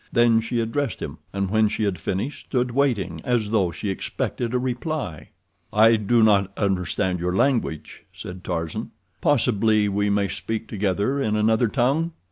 Then she addressed him, and when she had finished stood waiting, as though she expected a reply. "I do not understand your language," said Tarzan. "Possibly we may speak together in another tongue?"